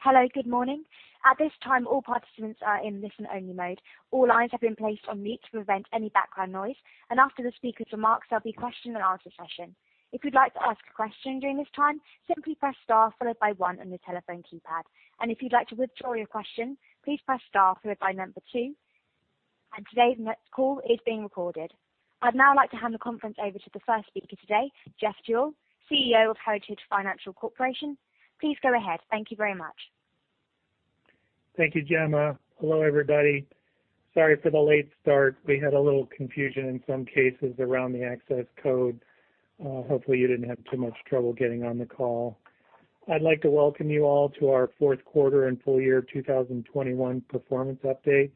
Hello, good morning. At this time, all participants are in listen-only mode. All lines have been placed on mute to prevent any background noise. After the speaker's remarks, there'll be a question and answer session. If you'd like to ask a question during this time, simply press star followed by one on your telephone keypad. If you'd like to withdraw your question, please press star followed by number two. Today's event call is being recorded. I'd now like to hand the conference over to the first speaker today, Jeffrey Deuel, CEO of Heritage Financial Corporation. Please go ahead. Thank you very much. Thank you, Gemma. Hello, everybody. Sorry for the late start. We had a little confusion in some cases around the access code. Hopefully you didn't have too much trouble getting on the call. I'd like to welcome you all to our fourth quarter and full year 2021 performance update.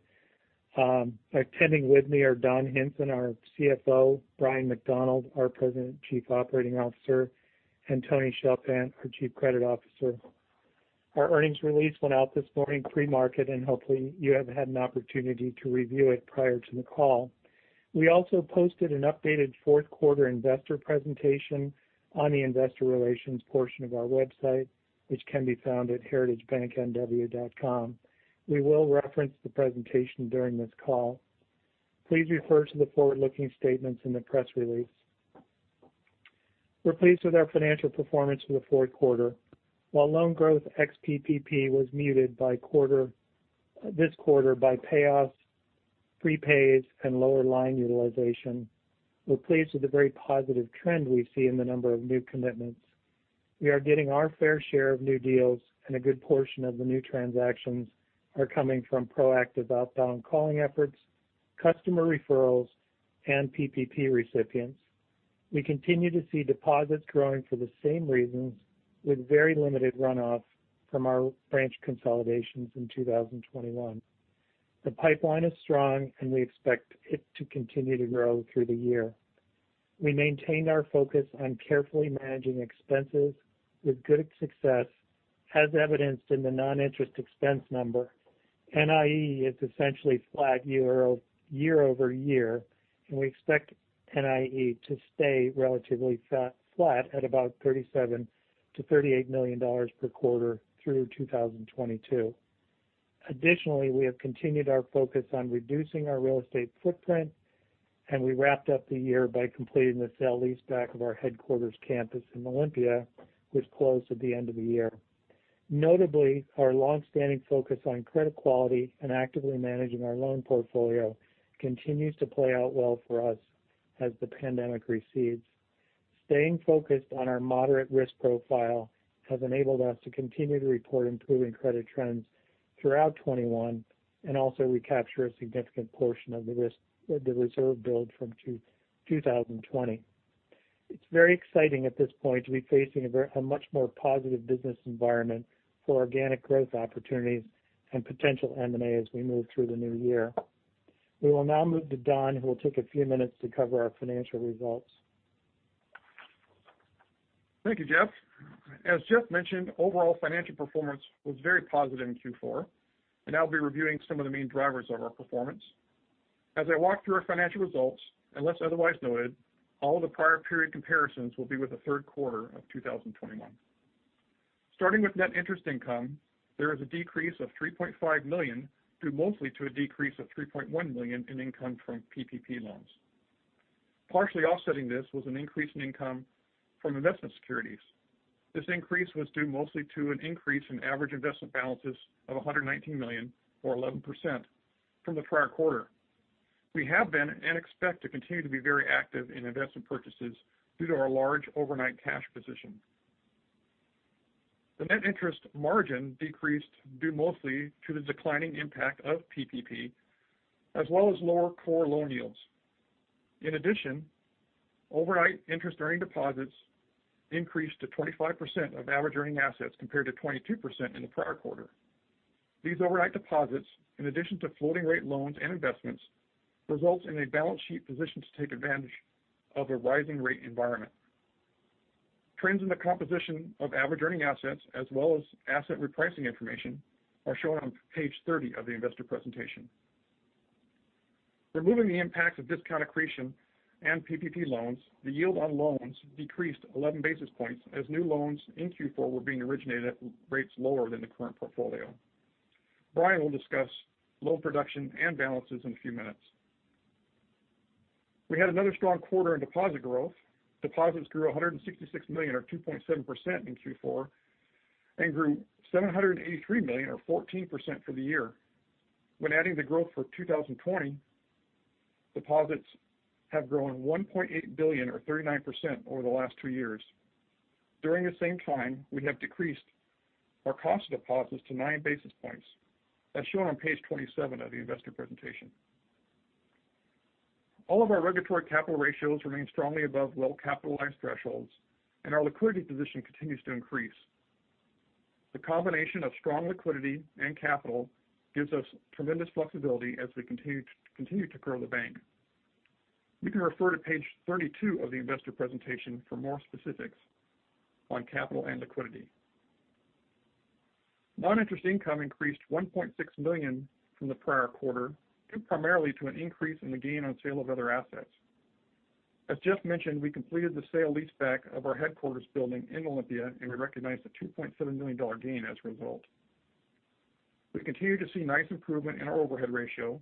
Attending with me are Don Hinson, our CFO, Bryan McDonald, our President and Chief Operating Officer, and Tony Chalfant, our Chief Credit Officer. Our earnings release went out this morning pre-market, and hopefully you have had an opportunity to review it prior to the call. We also posted an updated fourth quarter investor presentation on the investor relations portion of our website, which can be found at heritagebanknw.com. We will reference the presentation during this call. Please refer to the forward-looking statements in the press release. We're pleased with our financial performance in the fourth quarter. While loan growth ex-PPP was muted by quarter, this quarter by payoffs, prepays, and lower line utilization, we're pleased with the very positive trend we see in the number of new commitments. We are getting our fair share of new deals, and a good portion of the new transactions are coming from proactive outbound calling efforts, customer referrals, and PPP recipients. We continue to see deposits growing for the same reasons with very limited runoff from our branch consolidations in 2021. The pipeline is strong, and we expect it to continue to grow through the year. We maintained our focus on carefully managing expenses with good success, as evidenced in the non-interest expense number. NIE is essentially flat year-over-year, and we expect NIE to stay relatively flat at about $37 million to $38 million per quarter through 2022. Additionally, we have continued our focus on reducing our real estate footprint, and we wrapped up the year by completing the sale-leaseback of our headquarters campus in Olympia, which closed at the end of the year. Notably, our long-standing focus on credit quality and actively managing our loan portfolio continues to play out well for us as the pandemic recedes. Staying focused on our moderate risk profile has enabled us to continue to report improving credit trends throughout 2021 and also recapture a significant portion of the reserve build from 2020. It's very exciting at this point to be facing a much more positive business environment for organic growth opportunities and potential M&A as we move through the new year. We will now move to Don, who will take a few minutes to cover our financial results. Thank you, Jeff. As Jeff mentioned, overall financial performance was very positive in Q4, and I'll be reviewing some of the main drivers of our performance. As I walk through our financial results, unless otherwise noted, all the prior period comparisons will be with the third quarter of 2021. Starting with net interest income, there is a decrease of $3.5 million, due mostly to a decrease of $3.1 million in income from PPP loans. Partially offsetting this was an increase in income from investment securities. This increase was due mostly to an increase in average investment balances of $119 million or 11% from the prior quarter. We have been and expect to continue to be very active in investment purchases due to our large overnight cash position. The net interest margin decreased due mostly to the declining impact of PPP, as well as lower core loan yields. In addition, overnight interest-earning deposits increased to 25% of average earning assets compared to 22% in the prior quarter. These overnight deposits, in addition to floating rate loans and investments, results in a balance sheet position to take advantage of a rising rate environment. Trends in the composition of average earning assets as well as asset repricing information are shown on page 30 of the investor presentation. Removing the impacts of discount accretion and PPP loans, the yield on loans decreased 11 basis points as new loans in Q4 were being originated at rates lower than the current portfolio. Bryan will discuss loan production and balances in a few minutes. We had another strong quarter in deposit growth. Deposits grew $166 million or 2.7% in Q4 and grew $783 million or 14% for the year. When adding the growth for 2020, deposits have grown $1.8 billion or 39% over the last two years. During the same time, we have decreased our cost of deposits to 9 basis points, as shown on page 27 of the investor presentation. All of our regulatory capital ratios remain strongly above well-capitalized thresholds, and our liquidity position continues to increase. The combination of strong liquidity and capital gives us tremendous flexibility as we continue to grow the bank. You can refer to page 32 of the investor presentation for more specifics on capital and liquidity. Non-interest income increased $1.6 million from the prior quarter, due primarily to an increase in the gain on sale of other assets. As Jeff mentioned, we completed the sale-leaseback of our headquarters building in Olympia, and we recognized a $2.7 million gain as a result. We continue to see nice improvement in our overhead ratio.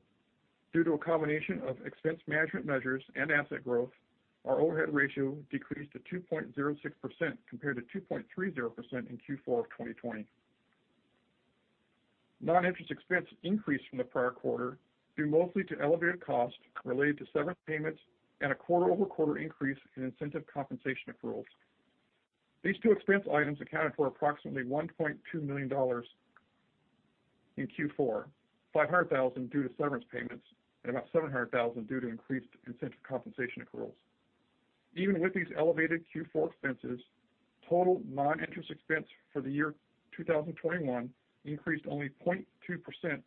Due to a combination of expense management measures and asset growth, our overhead ratio decreased to 2.06% compared to 2.30% in Q4 of 2020. Non-interest expense increased from the prior quarter due mostly to elevated costs related to severance payments and a quarter-over-quarter increase in incentive compensation accruals. These two expense items accounted for approximately $1.2 million in Q4, $500,000 due to severance payments and about $700,000 due to increased incentive compensation accruals. Even with these elevated Q4 expenses, total non-interest expense for the year 2021 increased only 0.2%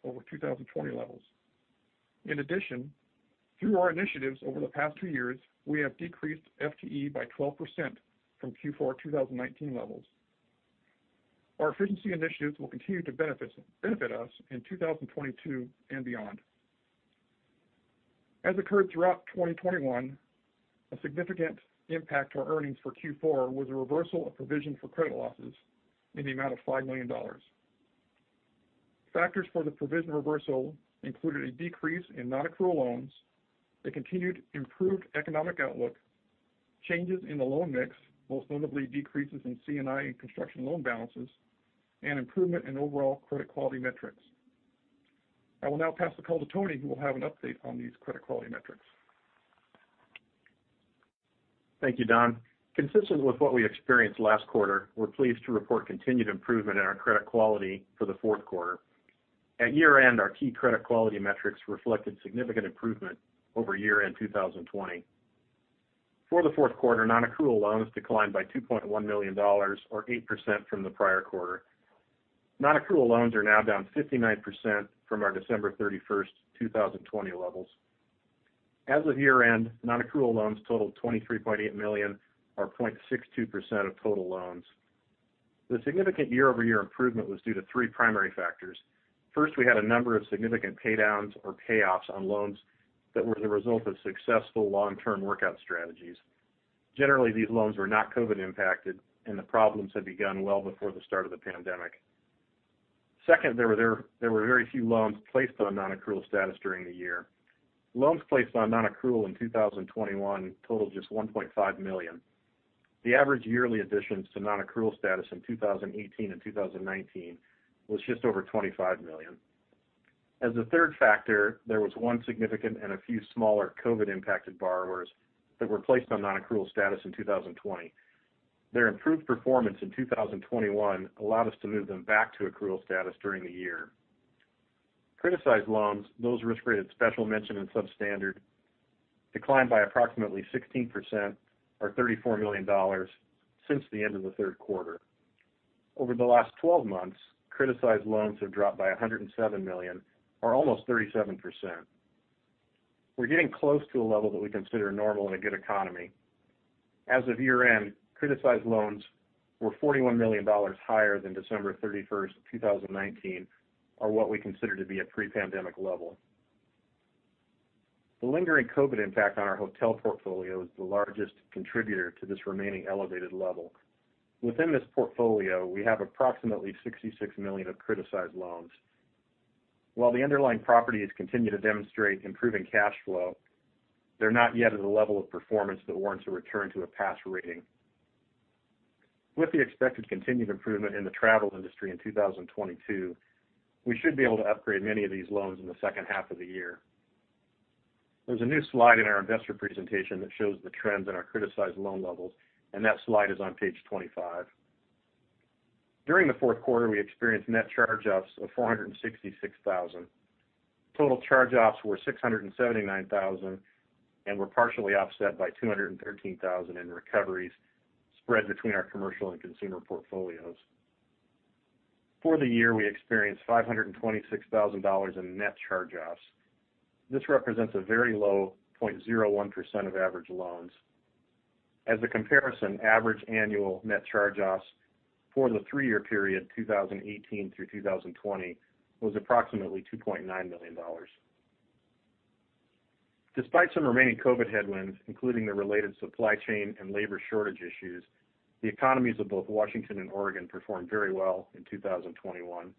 over 2020 levels. In addition, through our initiatives over the past two years, we have decreased FTE by 12% from Q4 of 2019 levels. Our efficiency initiatives will continue to benefit us in 2022 and beyond. As occurred throughout 2021, a significant impact to our earnings for Q4 was a reversal of provision for credit losses in the amount of $5 million. Factors for the provision reversal included a decrease in non-accrual loans, a continued improved economic outlook, changes in the loan mix, most notably decreases in C&I and construction loan balances, and improvement in overall credit quality metrics. I will now pass the call to Tony, who will have an update on these credit quality metrics. Thank you, Don. Consistent with what we experienced last quarter, we're pleased to report continued improvement in our credit quality for the fourth quarter. At year-end, our key credit quality metrics reflected significant improvement over year-end 2020. For the fourth quarter, non-accrual loans declined by $2.1 million or 8% from the prior quarter. Non-accrual loans are now down 59% from our December 31st, 2020 levels. As of year-end, non-accrual loans totaled $23.8 million or 0.62% of total loans. The significant year-over-year improvement was due to three primary factors. First, we had a number of significant paydowns or payoffs on loans that were the result of successful long-term workout strategies. Generally, these loans were not COVID impacted, and the problems had begun well before the start of the pandemic. Second, there were very few loans placed on non-accrual status during the year. Loans placed on non-accrual in 2021 totaled just $1.5 million. The average yearly additions to non-accrual status in 2018 and 2019 was just over $25 million. As a third factor, there was one significant and a few smaller COVID-impacted borrowers that were placed on non-accrual status in 2020. Their improved performance in 2021 allowed us to move them back to accrual status during the year. Criticized loans, those risk rated special mention and substandard, declined by approximately 16% or $34 million since the end of the third quarter. Over the last 12 months, criticized loans have dropped by $107 million or almost 37%. We're getting close to a level that we consider normal in a good economy. As of year-end, criticized loans were $41 million higher than December 31st, 2019, or what we consider to be a pre-pandemic level. The lingering COVID impact on our hotel portfolio is the largest contributor to this remaining elevated level. Within this portfolio, we have approximately $66 million of criticized loans. While the underlying properties continue to demonstrate improving cash flow, they're not yet at a level of performance that warrants a return to a pass rating. With the expected continued improvement in the travel industry in 2022, we should be able to upgrade many of these loans in the second half of the year. There's a new slide in our investor presentation that shows the trends in our criticized loan levels, and that slide is on page 25. During the fourth quarter, we experienced net charge-offs of $466,000. Total charge-offs were $679,000 and were partially offset by $213,000 in recoveries spread between our commercial and consumer portfolios. For the year, we experienced $526,000 in net charge-offs. This represents a very low 0.01% of average loans. As a comparison, average annual net charge-offs for the three-year period, 2018 through 2020, was approximately $2.9 million. Despite some remaining COVID headwinds, including the related supply chain and labor shortage issues, the economies of both Washington and Oregon performed very well in 2021.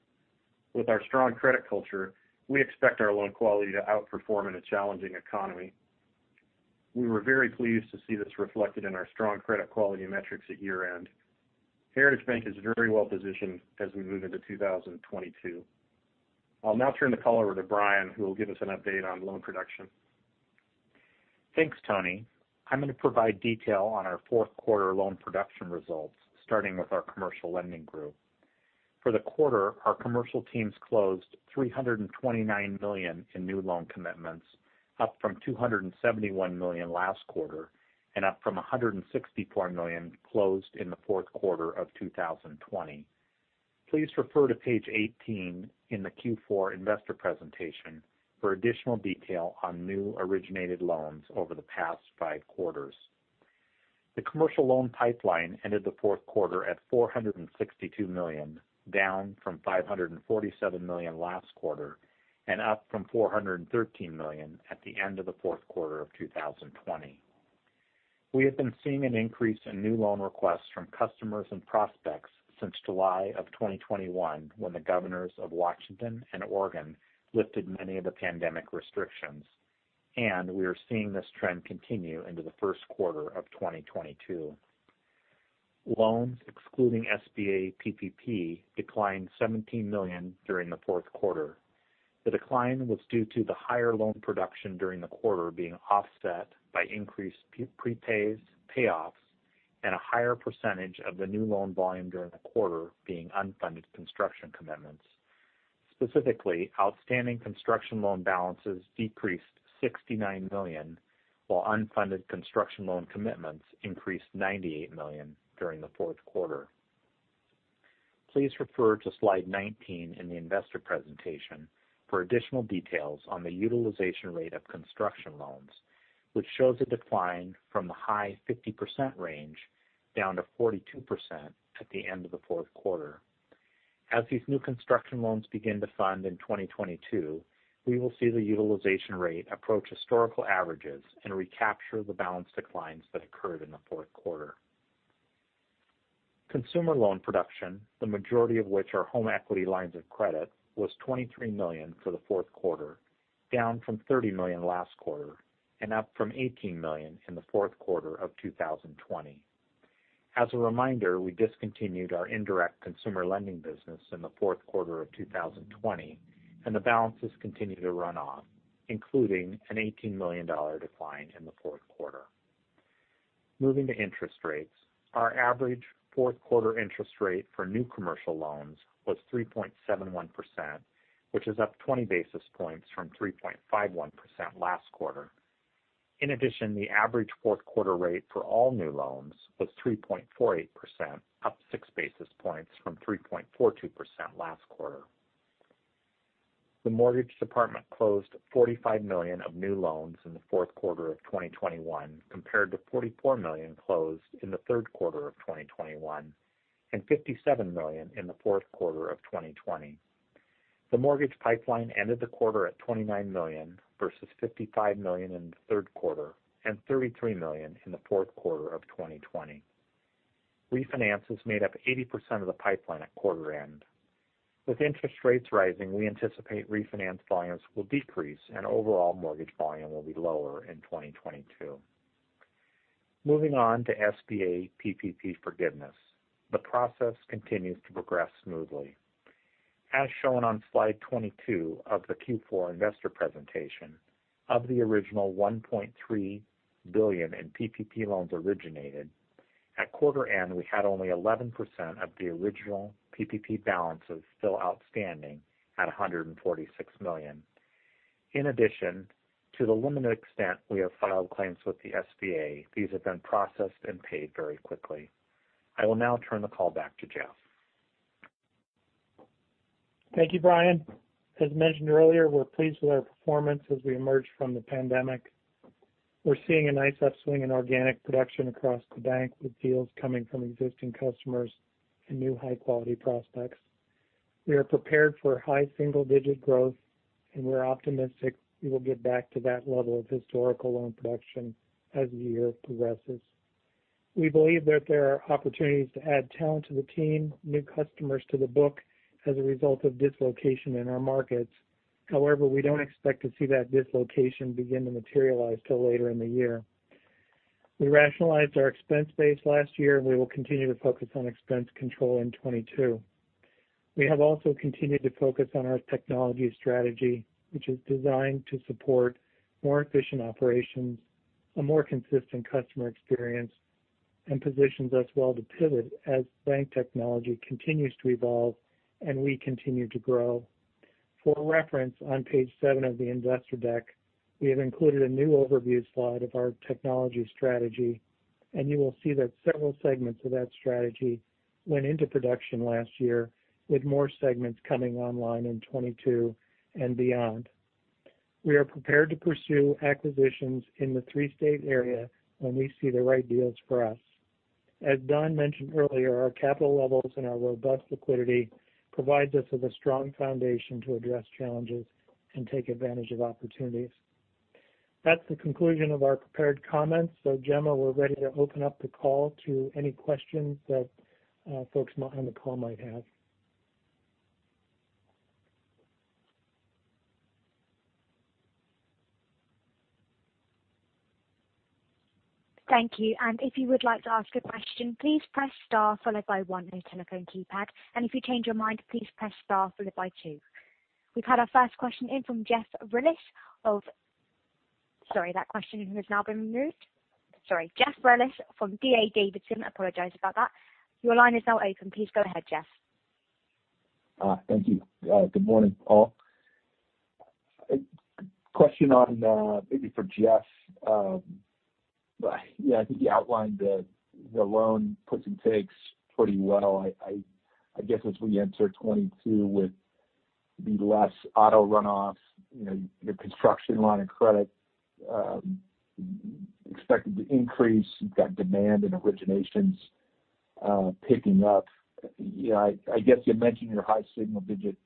With our strong credit culture, we expect our loan quality to outperform in a challenging economy. We were very pleased to see this reflected in our strong credit quality metrics at year-end. Heritage Bank is very well positioned as we move into 2022. I'll now turn the call over to Bryan, who will give us an update on loan production. Thanks, Tony. I'm going to provide detail on our fourth quarter loan production results, starting with our commercial lending group. For the quarter, our commercial teams closed $329 million in new loan commitments, up from $271 million last quarter and up from $164 million closed in the fourth quarter of 2020. Please refer to page 18 in the Q4 investor presentation for additional detail on new originated loans over the past five quarters. The commercial loan pipeline ended the fourth quarter at $462 million, down from $547 million last quarter and up from $413 million at the end of the fourth quarter of 2020. We have been seeing an increase in new loan requests from customers and prospects since July of 2021, when the governors of Washington and Oregon lifted many of the pandemic restrictions. We are seeing this trend continue into the first quarter of 2022. Loans, excluding SBA PPP, declined $17 million during the fourth quarter. The decline was due to the higher loan production during the quarter being offset by increased prepays, payoffs, and a higher percentage of the new loan volume during the quarter being unfunded construction commitments. Specifically, outstanding construction loan balances decreased $69 million, while unfunded construction loan commitments increased $98 million during the fourth quarter. Please refer to slide 19 in the investor presentation for additional details on the utilization rate of construction loans, which shows a decline from the high 50% range down to 42% at the end of the fourth quarter. As these new construction loans begin to fund in 2022, we will see the utilization rate approach historical averages and recapture the balance declines that occurred in the fourth quarter. Consumer loan production, the majority of which are home equity lines of credit, was $23 million for the fourth quarter, down from $30 million last quarter and up from $18 million in the fourth quarter of 2020. As a reminder, we discontinued our indirect consumer lending business in the fourth quarter of 2020, and the balances continue to run off, including an $18 million decline in the fourth quarter. Moving to interest rates. Our average fourth quarter interest rate for new commercial loans was 3.71%, which is up 20 basis points from 3.51% last quarter. In addition, the average fourth quarter rate for all new loans was 3.48%, up 6 basis points from 3.42% last quarter. The mortgage department closed $45 million of new loans in the fourth quarter of 2021 compared to $44 million closed in the third quarter of 2021 and $57 million in the fourth quarter of 2020. The mortgage pipeline ended the quarter at $29 million versus $55 million in the third quarter and $33 million in the fourth quarter of 2020. Refinances made up 80% of the pipeline at quarter end. With interest rates rising, we anticipate refinance volumes will decrease and overall mortgage volume will be lower in 2022. Moving on to SBA PPP forgiveness. The process continues to progress smoothly. As shown on slide 22 of the Q4 investor presentation, of the original $1.3 billion in PPP loans originated, at quarter end, we had only 11% of the original PPP balances still outstanding at $146 million. In addition, to the limited extent we have filed claims with the SBA, these have been processed and paid very quickly. I will now turn the call back to Jeff. Thank you, Bryan. As mentioned earlier, we're pleased with our performance as we emerge from the pandemic. We're seeing a nice upswing in organic production across the bank, with deals coming from existing customers and new high-quality prospects. We are prepared for high single-digit growth, and we're optimistic we will get back to that level of historical loan production as the year progresses. We believe that there are opportunities to add talent to the team, new customers to the book as a result of dislocation in our markets. However, we don't expect to see that dislocation begin to materialize till later in the year. We rationalized our expense base last year. We will continue to focus on expense control in 2022. We have also continued to focus on our technology strategy, which is designed to support more efficient operations, a more consistent customer experience, and positions us well to pivot as bank technology continues to evolve and we continue to grow. For reference, on page seven of the investor deck, we have included a new overview slide of our technology strategy, and you will see that several segments of that strategy went into production last year, with more segments coming online in 2022 and beyond. We are prepared to pursue acquisitions in the three-state area when we see the right deals for us. As Don mentioned earlier, our capital levels and our robust liquidity provides us with a strong foundation to address challenges and take advantage of opportunities. That's the conclusion of our prepared comments. Gemma, we're ready to open up the call to any questions that, folks on the call might have. Sorry, that question has now been removed. Sorry. Jeff Rulis from D.A. Davidson. I apologize about that. Your line is now open. Please go ahead, Jeff. Thank you. Good morning, all. A question on, maybe for Jeff. Yeah, I think you outlined the loan puts and takes pretty well. I guess as we enter 2022 with The less auto runoffs, you know, your construction line of credit expected to increase. You've got demand and originations picking up. Yeah, I guess you mentioned your high single digit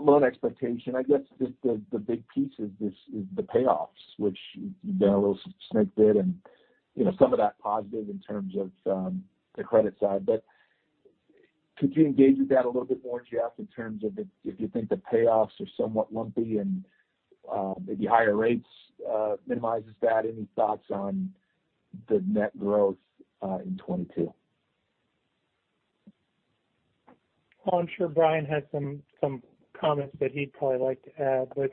loan expectation. I guess the big piece is the payoffs, which you did a little snippet. You know, some of that positive in terms of the credit side. Could you engage with that a little bit more, Jeff, in terms of if you think the payoffs are somewhat lumpy and maybe higher rates minimizes that? Any thoughts on the net growth in 2022? Well, I'm sure Bryan has some comments that he'd probably like to add, but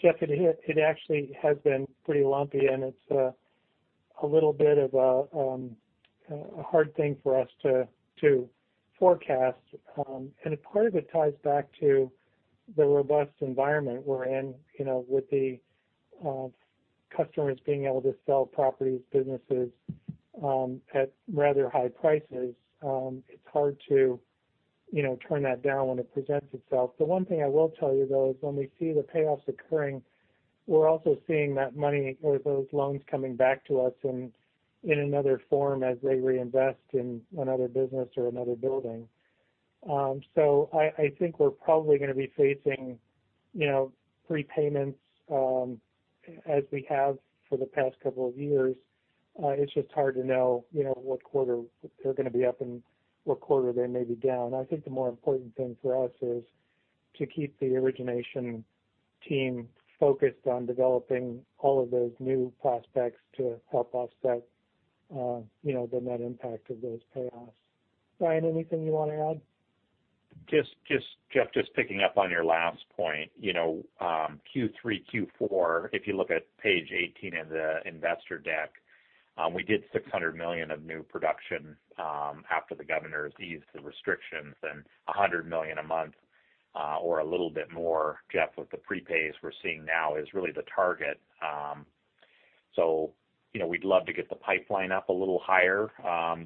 Jeff, it actually has been pretty lumpy and it's a little bit of a hard thing for us to forecast. Part of it ties back to the robust environment we're in, you know, with the customers being able to sell properties, businesses at rather high prices. It's hard to, you know, turn that down when it presents itself. The one thing I will tell you though is when we see the payoffs occurring, we're also seeing that money or those loans coming back to us in another form as they reinvest in another business or another building. I think we're probably gonna be facing, you know, prepayments as we have for the past couple of years. It's just hard to know, you know, what quarter they're gonna be up and what quarter they may be down. I think the more important thing for us is to keep the origination team focused on developing all of those new prospects to help offset the net impact of those payoffs. Bryan, anything you wanna add? Jeff, just picking up on your last point. You know, Q3, Q4, if you look at page 18 in the investor deck, we did $600 million of new production after the governor's eased the restrictions, and $100 million a month or a little bit more, Jeff, with the prepays we're seeing now is really the target. You know, we'd love to get the pipeline up a little higher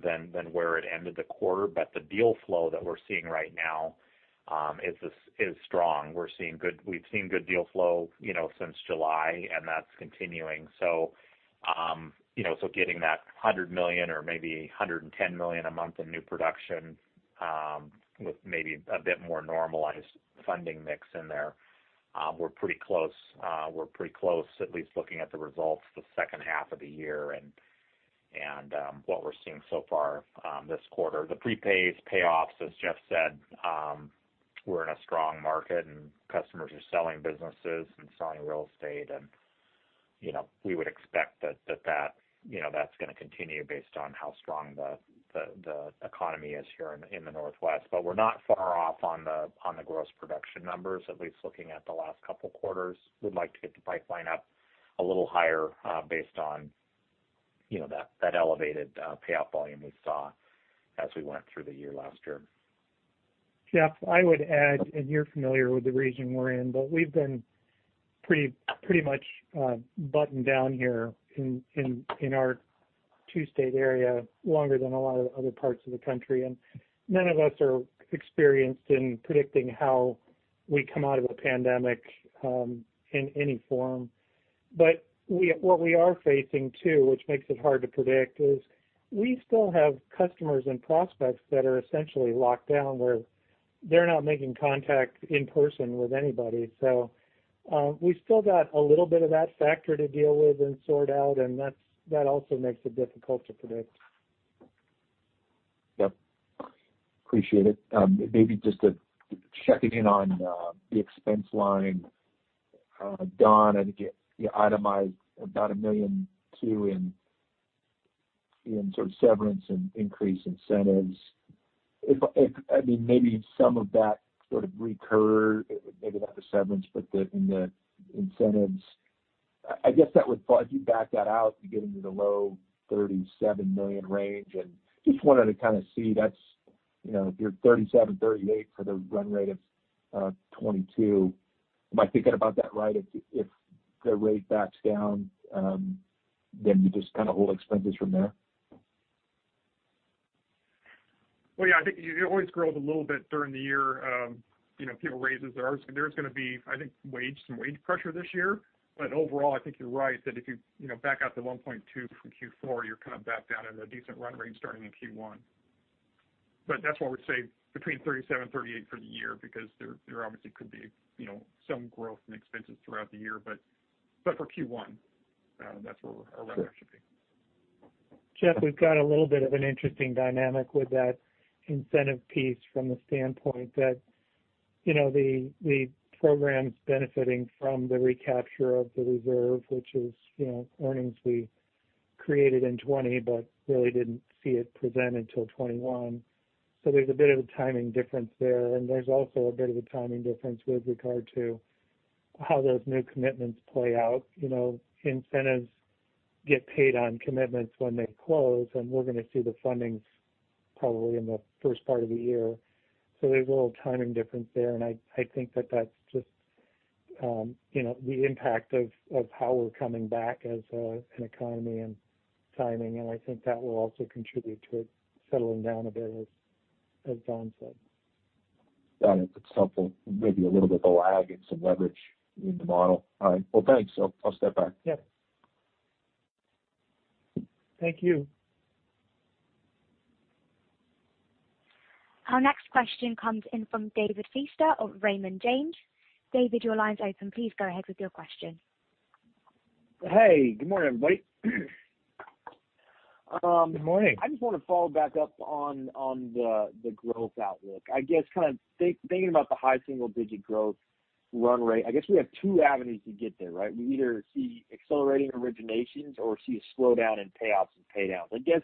than where it ended the quarter. The deal flow that we're seeing right now is strong. We've seen good deal flow, you know, since July, and that's continuing. You know, getting that $100 million or maybe $110 million a month in new production with maybe a bit more normalized funding mix in there, we're pretty close. We're pretty close at least looking at the results the second half of the year and what we're seeing so far this quarter. The prepays payoffs, as Jeff said, we're in a strong market, and customers are selling businesses and selling real estate and, you know, we would expect that, you know, that's gonna continue based on how strong the economy is here in the Northwest. We're not far off on the gross production numbers, at least looking at the last couple quarters. We'd like to get the pipeline up a little higher, based on, you know, that elevated payout volume we saw as we went through the year last year. Jeff, I would add, you're familiar with the region we're in, but we've been pretty much buttoned down here in our two-state area longer than a lot of other parts of the country. None of us are experienced in predicting how we come out of a pandemic in any form. What we are facing too, which makes it hard to predict, is we still have customers and prospects that are essentially locked down, where they're not making contact in person with anybody. We've still got a little bit of that factor to deal with and sort out, and that also makes it difficult to predict. Yep. Appreciate it. Maybe just checking in on the expense line. Don, I think you itemized about $1.2 million in sort of severance and increased incentives. I mean, maybe some of that sort of recurred, maybe not the severance, but in the incentives. I guess that would—if you back that out to get into the low $37 million range. Just wanted to kind of see that is, you know, if you're $37 million to $38 million for the run rate of 2022. Am I thinking about that right? If the rate backs down, then you just kind of hold expenses from there? Well, yeah, I think it always grows a little bit during the year. You know, there's gonna be, I think, some wage pressure this year. But overall, I think you're right that if you know, back out the 1.2 from Q4, you're kind of back down in a decent run rate starting in Q1. But that's why we're saying between 37 and 38 for the year, because there obviously could be, you know, some growth in expenses throughout the year, but for Q1, that's where our run rate should be. Jeff, we've got a little bit of an interesting dynamic with that incentive piece from the standpoint that, you know, the program's benefiting from the recapture of the reserve, which is, you know, earnings we created in 2020, but really didn't see it present until 2021. There's a bit of a timing difference there, and there's also a bit of a timing difference with regard to how those new commitments play out. You know, incentives get paid on commitments when they close, and we're gonna see the fundings probably in the first part of the year. There's a little timing difference there, and I think that that's just you know, the impact of how we're coming back as an economy and timing, and I think that will also contribute to it settling down a bit, as Don said. Don, it's helpful. Maybe a little bit of a lag and some leverage in the model. All right. Well, thanks. I'll step back. Yeah. Thank you. Our next question comes in from David Feaster of Raymond James. David, your line's open. Please go ahead with your question. Hey, good morning, everybody. Good morning. I just wanna follow back up on the growth outlook. I guess kind of thinking about the high single-digit growth run rate. I guess we have two avenues to get there, right? We either see accelerating originations or see a slowdown in payoffs and pay downs. I guess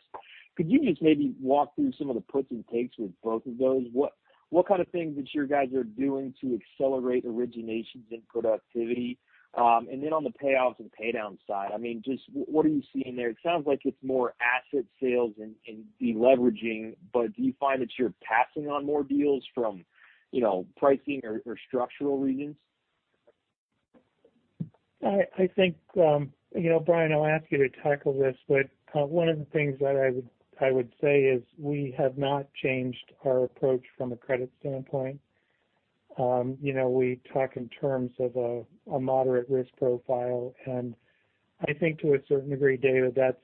could you just maybe walk through some of the puts and takes with both of those? What kind of things that you guys are doing to accelerate originations and productivity? And then on the payoffs and pay down side, I mean, just what are you seeing there? It sounds like it's more asset sales and de-leveraging, but do you find that you're passing on more deals from, you know, pricing or structural reasons? I think you know, Bryan, I'll ask you to tackle this. One of the things that I would say is we have not changed our approach from a credit standpoint. You know, we talk in terms of a moderate risk profile, and I think to a certain degree, David, that's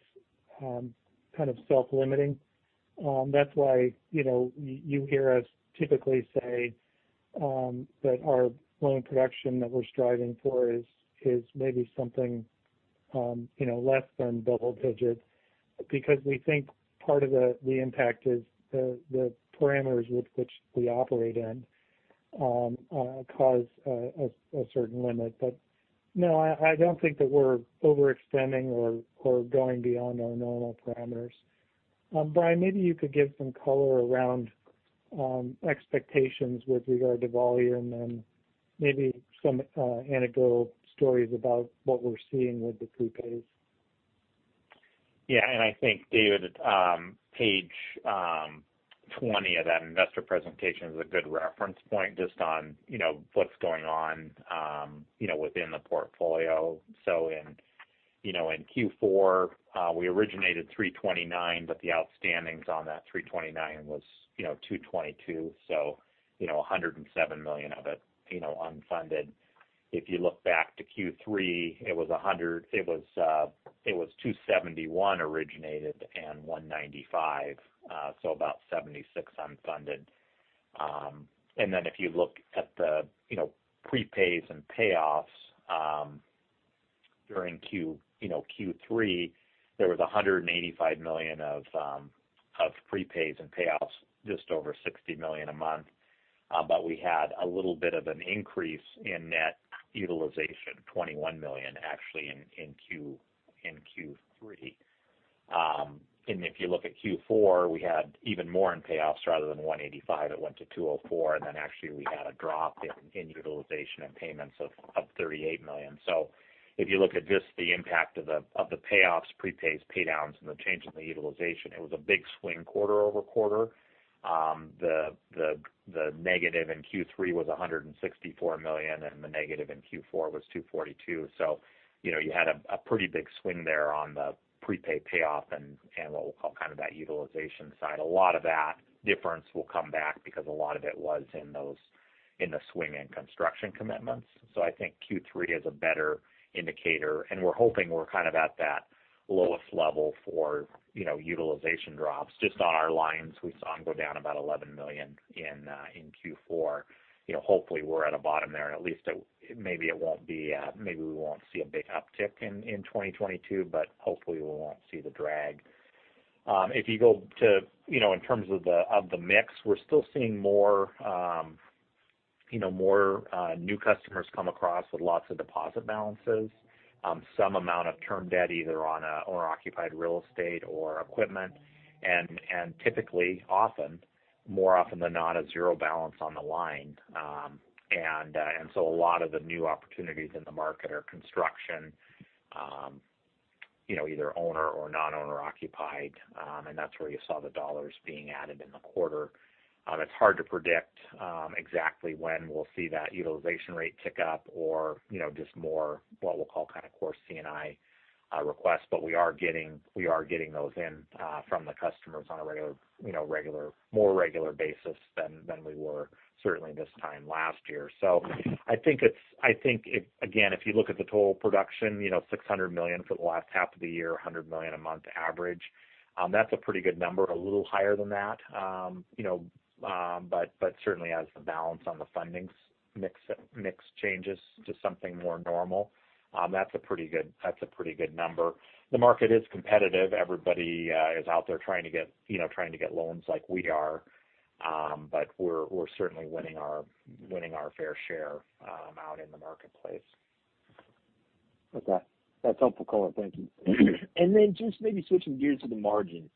kind of self-limiting. That's why you know, you hear us typically say that our loan production that we're striving for is maybe something you know, less than double digits. Because we think part of the impact is the parameters with which we operate cause a certain limit. No, I don't think that we're overextending or going beyond our normal parameters. Bryan, maybe you could give some color around expectations with regard to volume and maybe some anecdotal stories about what we're seeing with the prepays. I think, David, page 20 of that investor presentation is a good reference point just on, you know, what's going on, you know, within the portfolio. In Q4, we originated $329 million, but the outstandings on that $329 million was, you know, $222 million. A $107 million of it, you know, unfunded. If you look back to Q3, it was $271 million originated and $195 million, so about $76 million unfunded. If you look at the, you know, prepays and payoffs, during Q3, there was $185 million of prepays and payoffs, just over $60 million a month. We had a little bit of an increase in net utilization, $21 million actually in Q3. If you look at Q4, we had even more in payoffs. Rather than $185 million, it went to $204 million, and then actually we had a drop in utilization and payments of $38 million. If you look at just the impact of the payoffs, prepays, pay downs and the change in the utilization, it was a big swing quarter-over-quarter. The negative in Q3 was $164 million, and the negative in Q4 was $242 million. You know, you had a pretty big swing there on the prepaid payoff and what we'll call kind of that utilization side. A lot of that difference will come back because a lot of it was in those, in the swing and construction commitments. I think Q3 is a better indicator, and we're hoping we're kind of at that lowest level for, you know, utilization drops. Just on our lines, we saw them go down about $11 million in Q4. You know, hopefully, we're at a bottom there, and at least it, maybe it won't be, maybe we won't see a big uptick in 2022. Hopefully, we won't see the drag. If you go to, you know, in terms of the mix, we're still seeing more, you know, more new customers come across with lots of deposit balances. Some amount of term debt, either on a owner-occupied real estate or equipment. Typically, often, more often than not, a zero balance on the line. A lot of the new opportunities in the market are construction, you know, either owner or non-owner occupied. That's where you saw the dollars being added in the quarter. It's hard to predict exactly when we'll see that utilization rate tick up or, you know, just more what we'll call kind of core C&I requests. We are getting those in from the customers on a regular, you know, more regular basis than we were certainly this time last year. I think again, if you look at the total production, you know, $600 million for the last half of the year, $100 million a month average, that's a pretty good number. A little higher than that. You know, certainly as the balance on the funding mix changes to something more normal, that's a pretty good number. The market is competitive. Everybody is out there trying to get, you know, loans like we are. We're certainly winning our fair share out in the marketplace. Okay. That's helpful color. Thank you. Just maybe switching gears to the margin.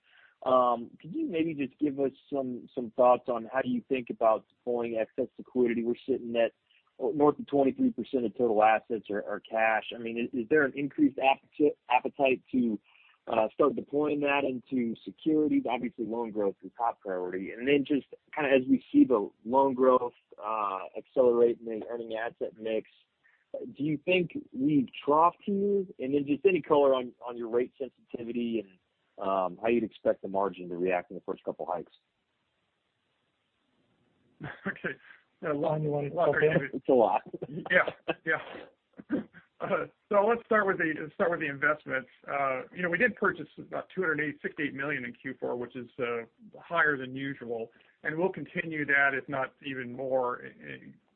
Could you maybe just give us some thoughts on how do you think about deploying excess liquidity? We're sitting at more than 23% of total assets are cash. Is there an increased appetite to start deploying that into securities. Obviously, loan growth is top priority. Just kind of as we see the loan growth accelerating, earning asset mix, do you think we trough, too? Just any color on your rate sensitivity and how you'd expect the margin to react in the first couple hikes. Okay. Long one. Longer. It's a lot. Yeah. Yeah. Let's start with the investments. You know, we did purchase about $268 million in Q4, which is higher than usual. We'll continue that, if not even more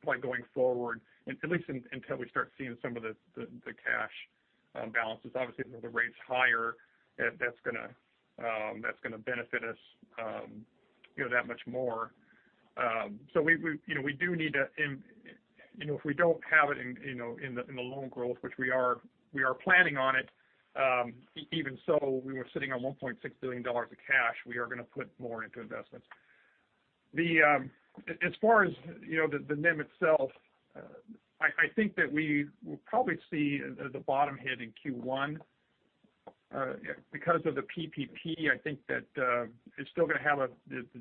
like, going forward, at least until we start seeing some of the cash balances. Obviously, the rate's higher. That's gonna benefit us, you know, that much more. You know, we do need to. If we don't have it in the loan growth, which we are planning on it, even so, we were sitting on $1.6 billion of cash. We are gonna put more into investments. As far as you know, the NIM itself, I think that we will probably see the bottom hit in Q1. Because of the PPP, I think that the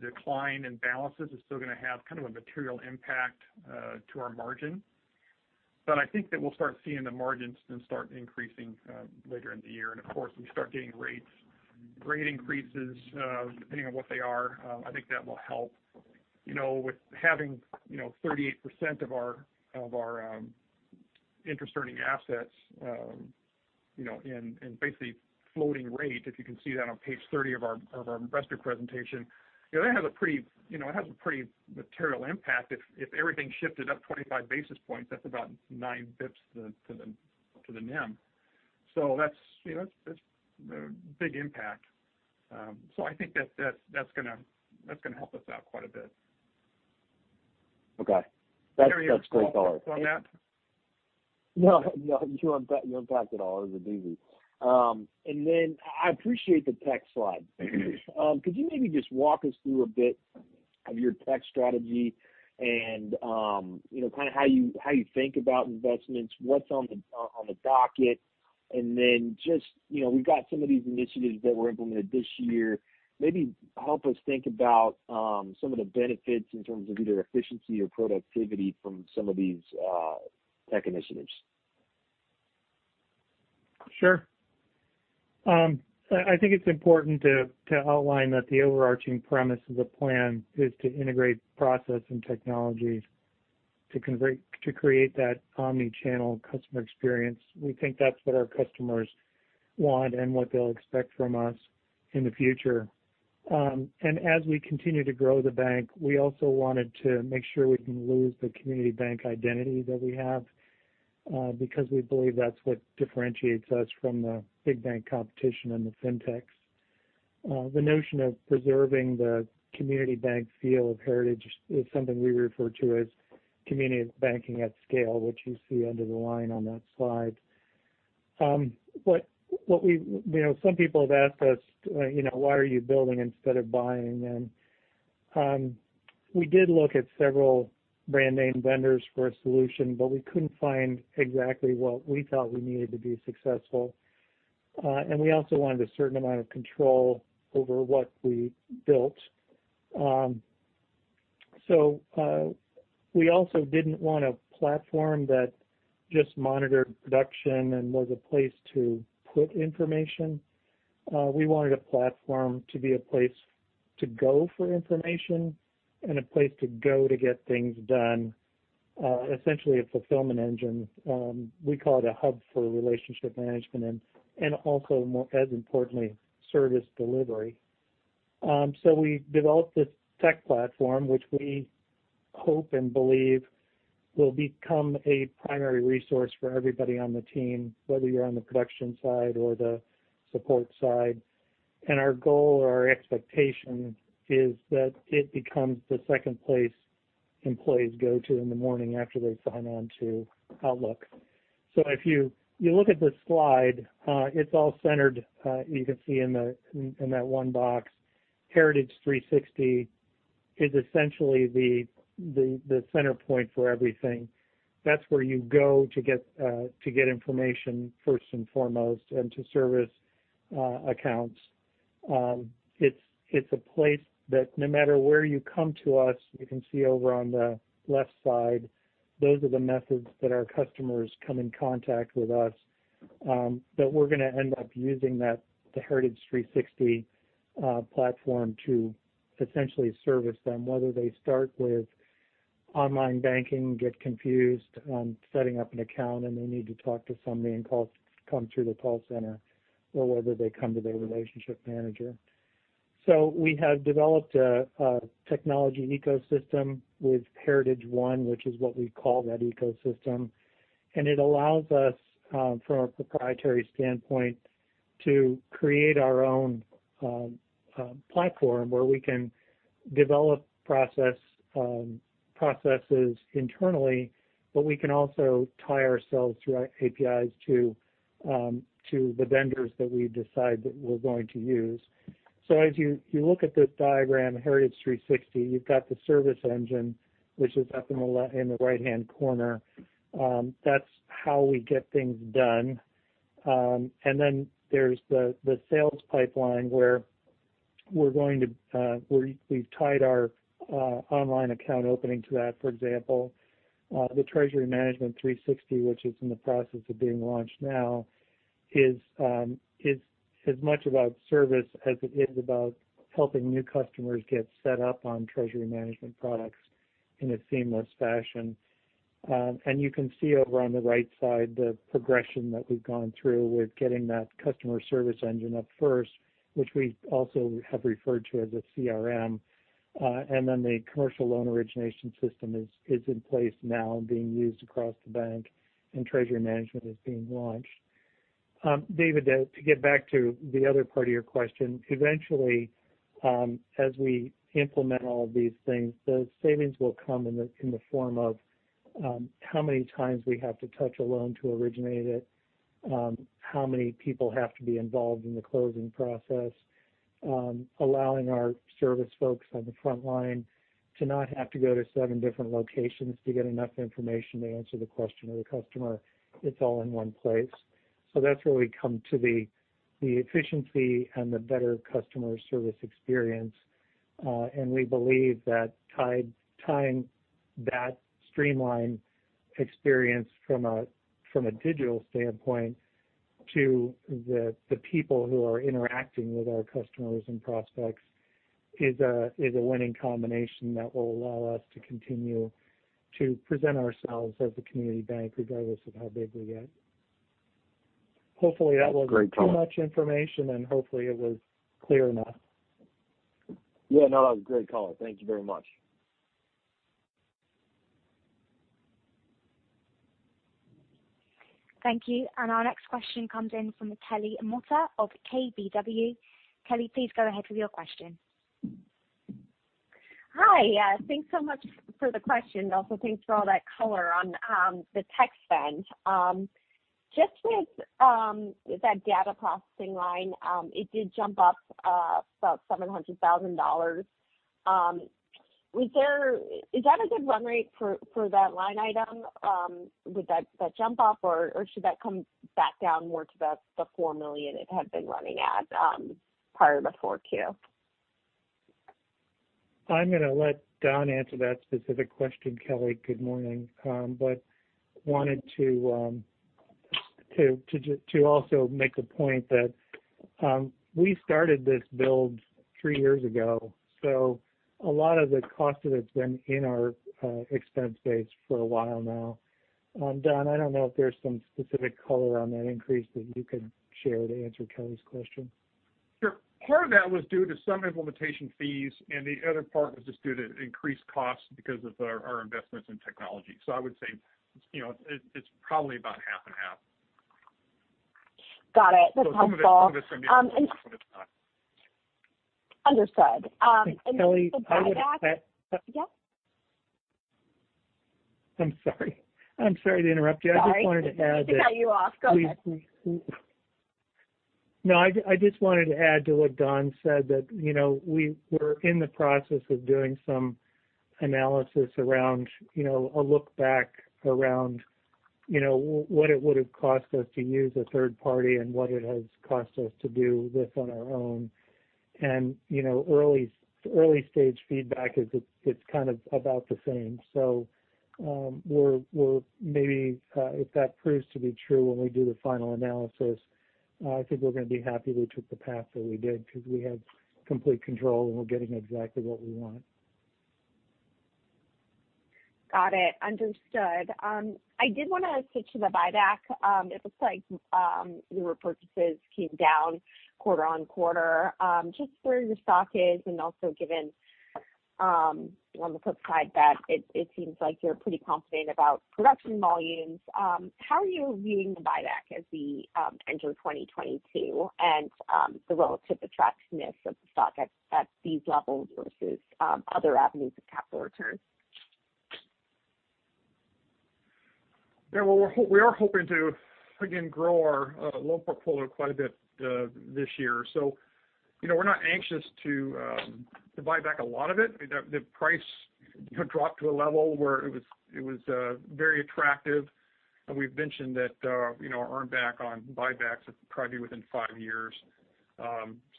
decline in balances is still gonna have kind of a material impact to our margin. I think that we'll start seeing the margins then start increasing later in the year. Of course, we start getting rate increases depending on what they are, I think that will help. You know, with having you know, 38% of our interest-earning assets you know, in basically floating rate, if you can see that on page 30 of our investor presentation. You know, it has a pretty material impact if everything shifted up 25 basis points. That's about 9 basis points to the NIM. You know, that's a big impact. I think that's gonna help us out quite a bit. Okay. That's great color. On that? No, no. You unpacked it all. It was a doozy. I appreciate the tech slide. Could you maybe just walk us through a bit of your tech strategy and, you know, kind of how you think about investments, what's on the docket, and just, you know, we've got some of these initiatives that were implemented this year. Maybe help us think about some of the benefits in terms of either efficiency or productivity from some of these tech initiatives. Sure. I think it's important to outline that the overarching premise of the plan is to integrate process and technologies to create that omni-channel customer experience. We think that's what our customers want and what they'll expect from us in the future. As we continue to grow the bank, we also wanted to make sure we didn't lose the community bank identity that we have, because we believe that's what differentiates us from the big bank competition and the Fintechs. The notion of preserving the community bank feel of Heritage is something we refer to as community banking at scale, which you see under the line on that slide. What we, you know, some people have asked us, "Why are you building instead of buying?" We did look at several brand name vendors for a solution, but we couldn't find exactly what we thought we needed to be successful. We also wanted a certain amount of control over what we built. We also didn't want a platform that just monitored production and was a place to put information. We wanted a platform to be a place to go for information and a place to go to get things done, essentially a fulfillment engine. We call it a hub for relationship management and also, more importantly, service delivery. We developed this tech platform, which we hope and believe will become a primary resource for everybody on the team, whether you're on the production side or the support side. Our goal or our expectation is that it becomes the second place employees go to in the morning after they sign on to Outlook. If you look at the slide, it's all centered, you can see in that one box. Heritage 360 is essentially the center point for everything. That's where you go to get information first and foremost and to service accounts. It's a place that no matter where you come to us, you can see over on the left side, those are the methods that our customers come in contact with us. We're gonna end up using that, the Heritage 360 platform to essentially service them, whether they start with online banking, get confused on setting up an account, and they need to talk to somebody and come through the call center, or whether they come to their relationship manager. We have developed a technology ecosystem with Heritage One, which is what we call that ecosystem. It allows us, from a proprietary standpoint, to create our own platform where we can develop processes internally, but we can also tie ourselves through our APIs to the vendors that we decide that we're going to use. As you look at this diagram, Heritage 360, you've got the service engine, which is up in the right-hand corner. That's how we get things done. There's the sales pipeline where we've tied our online account opening to that, for example. The Treasury Management 360, which is in the process of being launched now, is as much about service as it is about helping new customers get set up on Treasury Management products in a seamless fashion. You can see over on the right side the progression that we've gone through with getting that customer service engine up first, which we also have referred to as a CRM. The commercial loan origination system is in place now and being used across the bank, and Treasury Management is being launched. David, to get back to the other part of your question. Eventually, as we implement all of these things, the savings will come in the form of how many times we have to touch a loan to originate it. How many people have to be involved in the closing process. Allowing our service folks on the front line to not have to go to seven different locations to get enough information to answer the question of the customer. It's all in one place. That's where we come to the efficiency and the better customer service experience. We believe that tying that streamlined experience from a digital standpoint to the people who are interacting with our customers and prospects is a winning combination that will allow us to continue to present ourselves as a community bank regardless of how big we get. Hopefully, that wasn't- Great color. Too much information, and hopefully it was clear enough. Yeah, no, that was a great color. Thank you very much. Thank you. Our next question comes in from Kelly Motta of KBW. Kelly, please go ahead with your question. Hi. Yeah, thanks so much for the question, and also thanks for all that color on the tech spend. Just with that data processing line, it did jump up about $700,000. Is that a good run rate for that line item with that jump up? Or should that come back down more to the $4 million it had been running at prior to 4Q? I'm gonna let Don answer that specific question, Kelly. Good morning. Wanted to also make a point that we started this build three years ago, so a lot of the cost of it's been in our expense base for a while now. Don, I don't know if there's some specific color on that increase that you can share to answer Kelly's question. Sure. Part of that was due to some implementation fees, and the other part was just due to increased costs because of our investments in technology. So I would say, you know, it's probably about half and half. Got it. That's helpful. some of it's Um, and- Some of it's not. Understood. Just the buyback- Kelly, I would add that. Yes? I'm sorry to interrupt you. Sorry. I just wanted to add that. I didn't mean to cut you off. Go ahead. No, I just wanted to add to what Don said that, you know, we're in the process of doing some analysis around, you know, a look back around, you know, what it would've cost us to use a third party and what it has cost us to do this on our own. You know, early stage feedback is it's kind of about the same. We're maybe if that proves to be true when we do the final analysis, I think we're gonna be happy we took the path that we did because we have complete control, and we're getting exactly what we want. Got it. Understood. I did wanna switch to the buyback. It looks like your purchases came down quarter-over-quarter. Just where the stock is and also given, on the flip side, that it seems like you're pretty confident about production volumes. How are you viewing the buyback as we enter 2022 and the relative attractiveness of the stock at these levels versus other avenues of capital return? Well, we are hoping to again grow our loan portfolio quite a bit this year. You know, we're not anxious to buy back a lot of it. The price dropped to a level where it was very attractive. We've mentioned that, you know, earn back on buybacks would probably be within five years.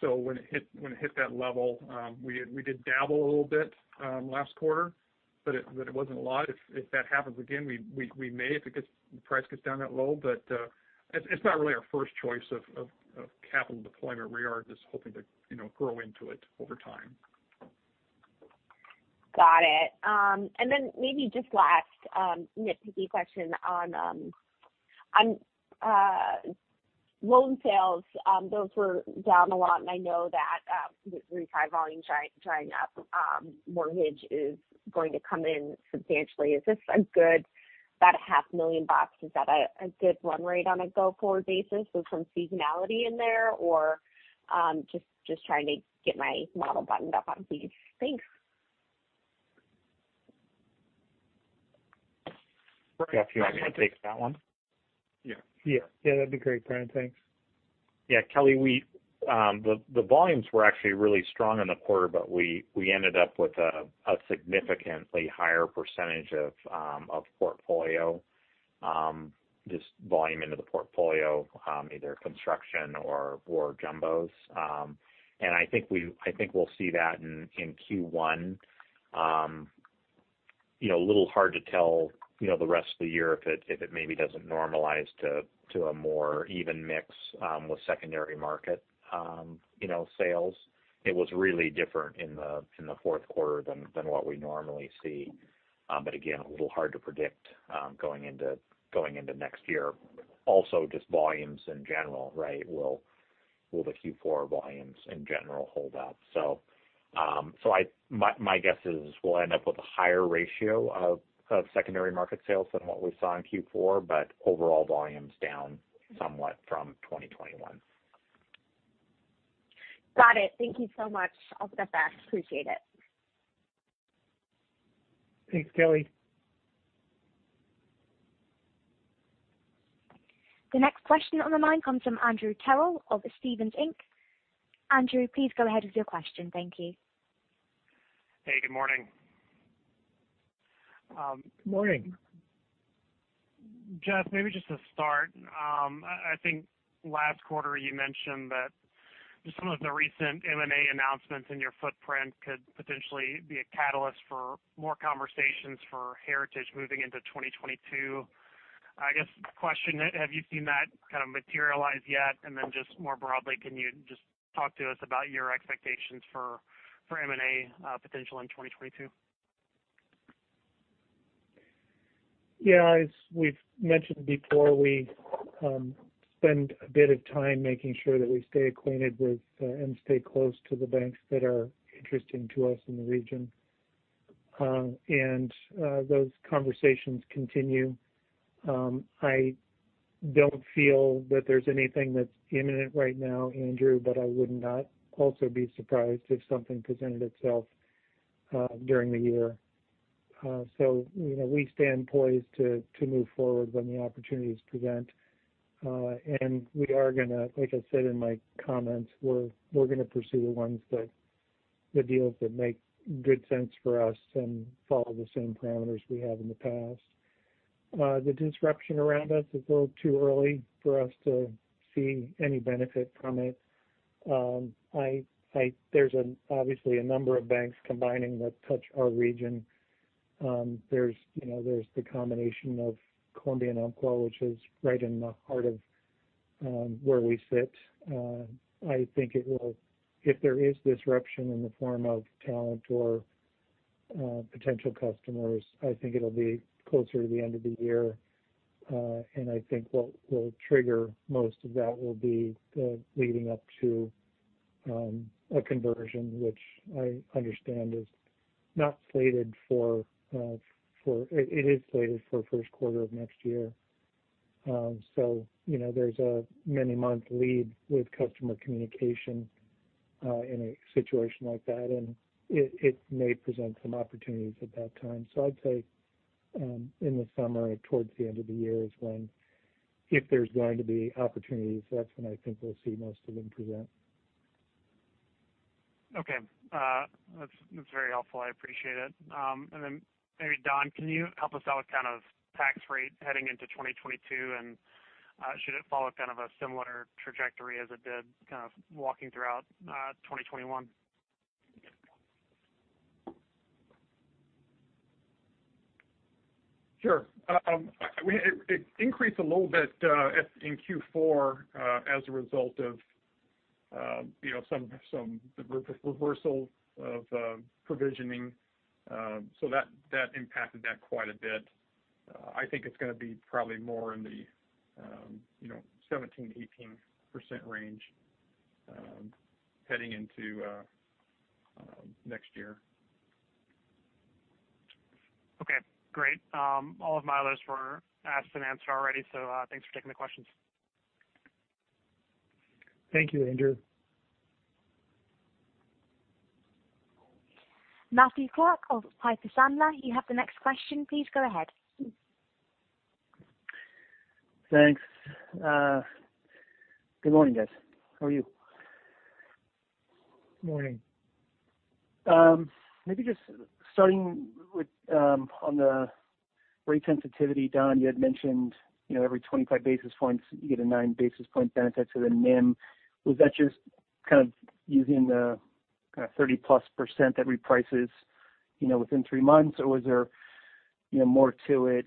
When it hit that level, we did dabble a little bit last quarter, but it wasn't a lot. If that happens again, we may if the price gets down that low. It's not really our first choice of capital deployment. We are just hoping to, you know, grow into it over time. Got it. And then maybe just last, nitpicky question on loan sales. Those were down a lot, and I know that, with refi volume drying up, mortgage is going to come in substantially. Is this a good. About a half million bucks, is that a good run rate on a go-forward basis with some seasonality in there, or, just trying to get my model buttoned up on these. Thanks. Jeff, you want me to take that one? Yeah. Yeah. Yeah, that'd be great, Bryan. Thanks. Yeah, Kelly, the volumes were actually really strong in the quarter, but we ended up with a significantly higher percentage of portfolio just volume into the portfolio, either construction or jumbos. I think we'll see that in Q1. You know, a little hard to tell, you know, the rest of the year if it maybe doesn't normalize to a more even mix with secondary market, you know, sales. It was really different in the fourth quarter than what we normally see. Again, a little hard to predict going into next year. Also, just volumes in general, right, will the Q4 volumes in general hold up? My guess is we'll end up with a higher ratio of secondary market sales than what we saw in Q4, but overall volumes down somewhat from 2021. Got it. Thank you so much. I'll step back. Appreciate it. Thanks, Kelly. The next question on the line comes from Andrew Terrell of Stephens Inc. Andrew, please go ahead with your question. Thank you. Hey, good morning. Good morning. Jeff, maybe just to start. I think last quarter you mentioned that just some of the recent M&A announcements in your footprint could potentially be a catalyst for more conversations for Heritage moving into 2022. I guess the question, have you seen that kind of materialize yet? Then just more broadly, can you just talk to us about your expectations for M&A potential in 2022? Yeah, as we've mentioned before, we spend a bit of time making sure that we stay acquainted with and stay close to the banks that are interesting to us in the region. Those conversations continue. I don't feel that there's anything that's imminent right now, Andrew, but I would not also be surprised if something presented itself during the year. You know, we stand poised to move forward when the opportunities present. We are gonna, like I said in my comments, pursue the deals that make good sense for us and follow the same parameters we have in the past. The disruption around us is a little too early for us to see any benefit from it. There's obviously a number of banks combining that touch our region. There's, you know, the combination of Columbia and Umpqua, which is right in the heart of where we sit. I think if there is disruption in the form of talent or potential customers, I think it'll be closer to the end of the year. I think what will trigger most of that will be the leading up to a conversion, which I understand is slated for first quarter of next year. You know, there's a many month lead with customer communication in a situation like that, and it may present some opportunities at that time. I'd say, in the summer towards the end of the year is when, if there's going to be opportunities, that's when I think we'll see most of them present. Okay. That's very helpful. I appreciate it. Maybe Don, can you help us out with kind of tax rate heading into 2022? Should it follow kind of a similar trajectory as it did kind of working throughout 2021? Sure. It increased a little bit in Q4 as a result of you know some reversal of provisioning. That impacted that quite a bit. I think it's gonna be probably more in the you know 17%-18% range heading into next year. Okay, great. All of my others were asked and answered already, so, thanks for taking the questions. Thank you, Andrew. Matthew Clark of Piper Sandler, you have the next question. Please go ahead. Thanks. Good morning, guys. How are you? Morning. Maybe just starting with, on the rate sensitivity, Don, you had mentioned, you know, every 25 basis points, you get a nine basis point benefit to the NIM. Was that just kind of using the kind of 30%+ that reprices, you know, within three months? Or was there, you know, more to it?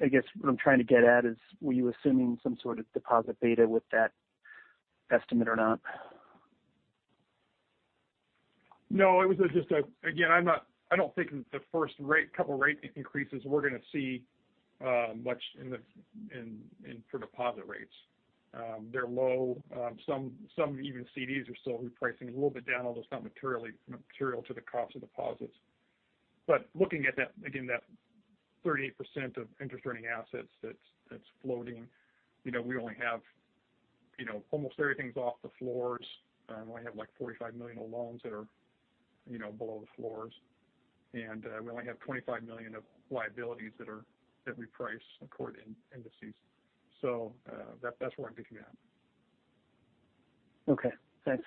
I guess what I'm trying to get at is, were you assuming some sort of deposit beta with that estimate or not? No. Again, I don't think the first couple rate increases we're gonna see much in the interim for deposit rates. They're low. Some even CDs are still repricing a little bit down, although it's not material to the cost of deposits. Looking at that, again, that 38% of interest-earning assets that's floating, we only have You know, almost everything's off the floors. We only have, like, $45 million of loans that are, you know, below the floors. We only have $25 million of liabilities that we price according to indices. That's where I'm getting that. Okay, thanks.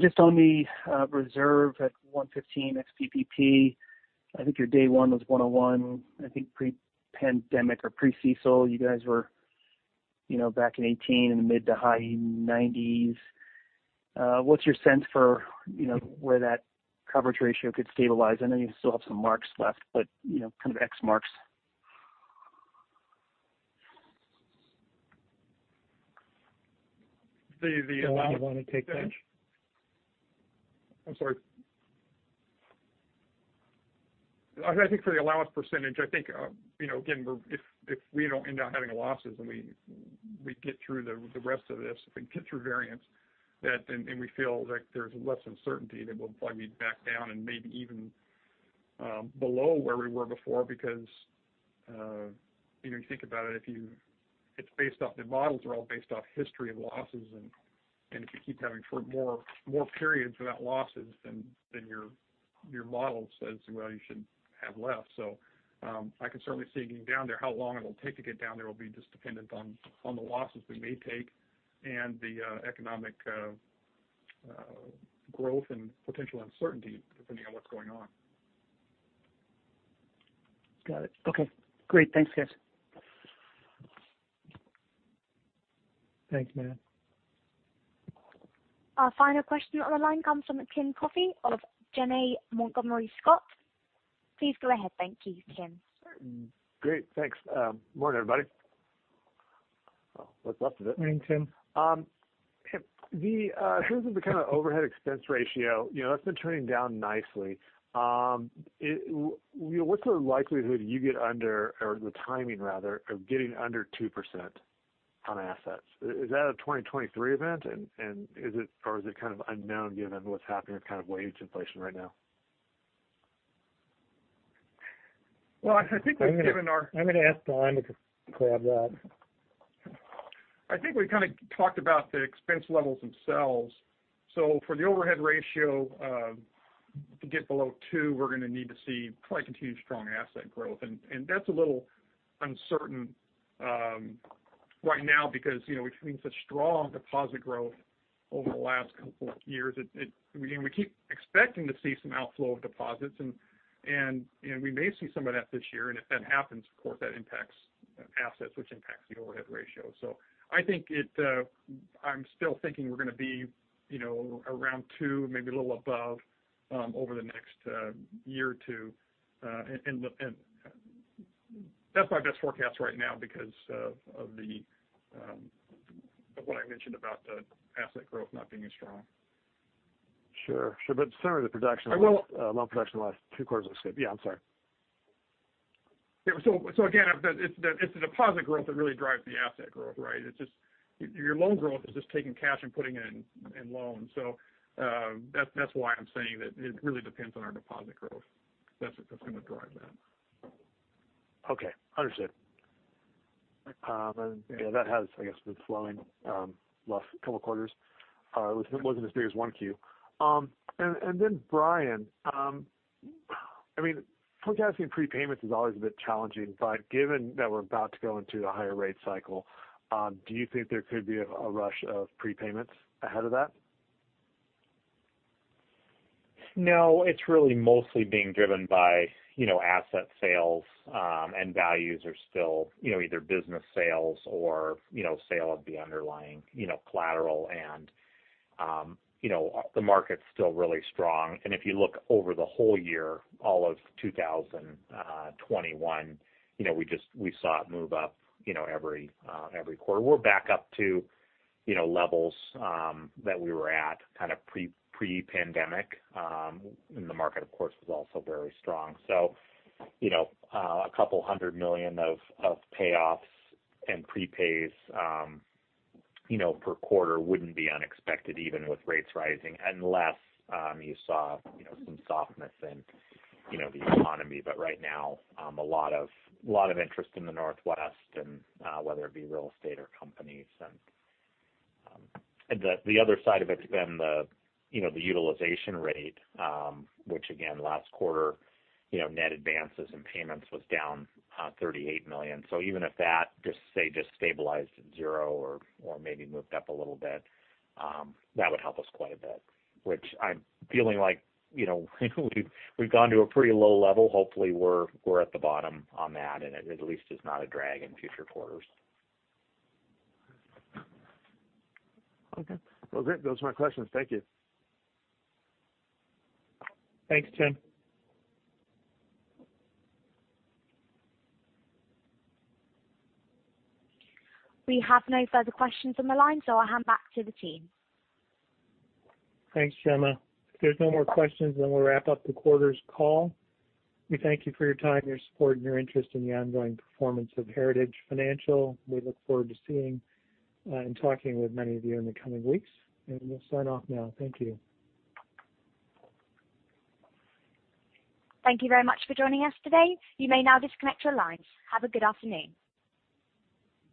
Just on the reserve at 115 ex-PPP. I think your day one was 101. I think pre-pandemic or pre-CECL, you guys were, you know, back in 2018 in the mid- to high 90s. What's your sense for, you know, where that coverage ratio could stabilize? I know you still have some marks left, but, you know, kind of ex marks. The, the- Do you wanna take that? I'm sorry. I think for the allowance percentage, I think, you know, again, if we don't end up having losses and we get through the rest of this, if we get through variants, and we feel like there's less uncertainty, then we'll probably be back down and maybe even below where we were before. Because, you know, you think about it's based off the models are all based off history of losses. If you keep having for more periods without losses, then your model says, "Well, you should have less." I can certainly see getting down there. How long it'll take to get down there will be just dependent on the losses we may take and the economic growth and potential uncertainty depending on what's going on. Got it. Okay. Great. Thanks, guys. Thanks, Matt. Our final question on the line comes from Tim Coffey of Janney Montgomery Scott. Please go ahead. Thank you, Tim. Great. Thanks. Morning, everybody. Oh, what's left of it. Morning, Tim. In terms of the kinda overhead expense ratio, you know, that's been trending down nicely. You know, what's the likelihood you get under, or the timing rather, of getting under 2% on assets? Is that a 2023 event and is it or is it kind of unknown given what's happening with kind of wage inflation right now? Well, I think that given our. I'm gonna ask Bryan to grab that. I think we kinda talked about the expense levels themselves. For the overhead ratio to get below 2, we're gonna need to see probably continued strong asset growth. That's a little uncertain right now because, you know, we've seen such strong deposit growth over the last couple of years. We keep expecting to see some outflow of deposits, and, you know, we may see some of that this year. If that happens, of course that impacts assets, which impacts the overhead ratio. I think I'm still thinking we're gonna be, you know, around 2, maybe a little above, over the next year or two. That's my best forecast right now because of what I mentioned about the asset growth not being as strong. Sure. Similar to the production- I will- Loan production the last two quarters looks good. Yeah, I'm sorry. Yeah. Again, it's the deposit growth that really drives the asset growth, right? It's just your loan growth is just taking cash and putting it in loans. That's why I'm saying that it really depends on our deposit growth. That's what's gonna drive that. Okay. Understood. Yeah, that has, I guess, been slowing last couple quarters. It wasn't as big as 1Q. Then Bryan, I mean, forecasting prepayments is always a bit challenging. Given that we're about to go into a higher rate cycle, do you think there could be a rush of prepayments ahead of that? No, it's really mostly being driven by, you know, asset sales. Values are still, you know, either business sales or, you know, sale of the underlying, you know, collateral. The market's still really strong. If you look over the whole year, all of 2021, you know, we saw it move up, you know, every quarter. We're back up to, you know, levels that we were at kind of pre-pandemic. The market of course was also very strong. You know, $200 million of payoffs and prepays, you know, per quarter wouldn't be unexpected even with rates rising, unless you saw, you know, some softness in, you know, the economy. Right now, a lot of interest in the Northwest and whether it be real estate or companies. The other side of it's been the, you know, the utilization rate, which again, last quarter, you know, net advances in payments was down $38 million. Even if that just say stabilized at 0 or maybe moved up a little bit, that would help us quite a bit. Which I'm feeling like, you know, we've gone to a pretty low level. Hopefully we're at the bottom on that and it at least is not a drag in future quarters. Okay. Well, great. Those are my questions. Thank you. Thanks, Tim. We have no further questions on the line, so I'll hand back to the team. Thanks, Gemma. If there's no more questions, then we'll wrap up the quarter's call. We thank you for your time, your support, and your interest in the ongoing performance of Heritage Financial. We look forward to seeing and talking with many of you in the coming weeks. We'll sign off now. Thank you. Thank you very much for joining us today. You may now disconnect your lines. Have a good afternoon.